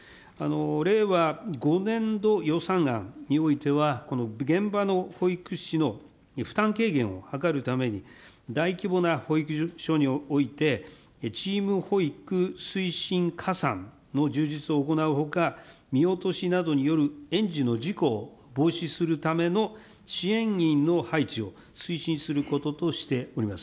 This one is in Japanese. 令和５年度予算案においては、この現場の保育士の負担軽減を図るために、大規模な保育所においてチーム保育推進加算の充実を行うほか、見落としなどによる園児の事故を防止するための支援員の配置を推進することとしております。